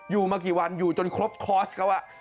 มากี่วันอยู่จนครบคอร์สเขา